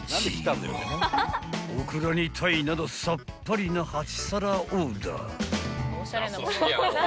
［オクラに鯛などさっぱりな８皿オーダー］